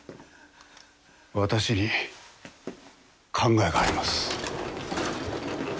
私に考えがあります。